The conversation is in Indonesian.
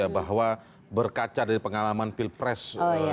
bahwa berkaca dari pengalaman pilpres dua ribu sembilan belas